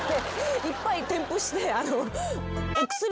いっぱい添付して。